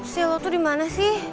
sila lo tuh di mana sih